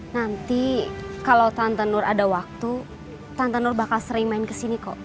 nanti kalau tante nur ada waktu tante nur bakal sering main kesini kok